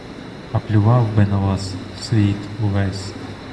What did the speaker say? А плював би на вас світ увесь!